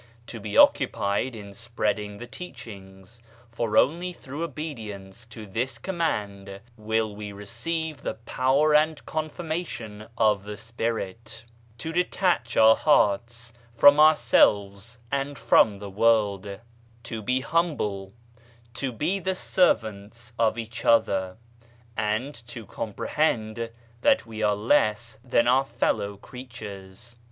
" To be occupied in spreading the teach ings, for only through obedience to this command will we receive the power and confirmation of the Spirit. "To detach our hearts from ourselves and from the world. I THE TRUE RELIGION 105 "To be humble. "To be the servants of each other, and to comprehend that we are less than our fellow creatures.